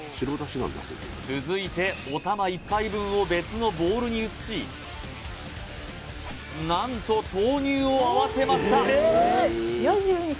続いておたま１杯分を別のボウルに移し何と豆乳を合わせました